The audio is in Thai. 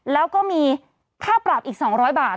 แล้วก็มีค่าปรับอีก๒๐๐บาท